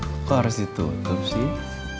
kok harus ditutup sih